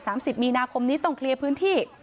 ว่าทีนี้ต้องเคลียร์พื้นที่